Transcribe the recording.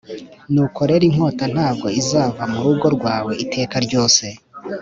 Nuko rero inkota ntabwo izava mu rugo rwawe iteka ryose